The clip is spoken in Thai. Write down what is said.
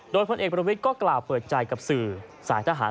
โดยพลเอกประวิทย์ก็กล่าวเปิดใจกับสื่อสายทหาร